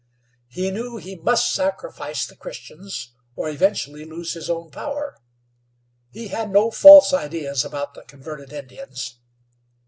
He knew he must sacrifice the Christians, or eventually lose his own power. He had no false ideas about the converted Indians.